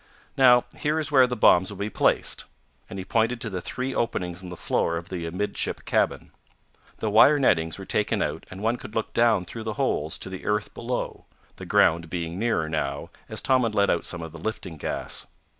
Now here is where the bombs will be placed," and he pointed to the three openings in the floor of the amidship cabin. The wire nettings were taken out and one could look down through the holes to the earth below, the ground being nearer now, as Tom had let out some of the lifting gas.